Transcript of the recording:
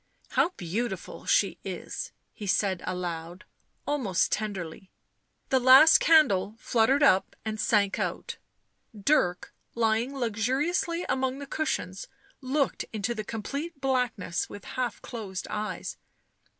" How beautiful she is!" he said aloud, almost tenderly. The last candle fluttered up and sank out ; Dirk, lying luxuriously among the cushions, looked into the complete blackness with half closed eyes.